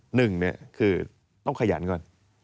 หนึ่งเนี่ยคือต้องขยันก่อน